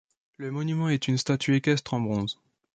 Le monument est une statue équestre en bronze.